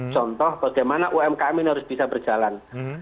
contoh bagaimana umkm ini harus bisa berjalan